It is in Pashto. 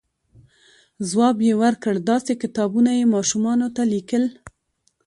ځواب یې ورکړ، داسې کتابونه یې ماشومانو ته لیکل،